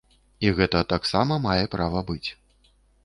І гэта таксама мае права быць.